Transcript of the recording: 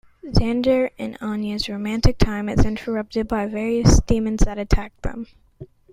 Xander and Anya's romantic time is interrupted by various demons that attack them.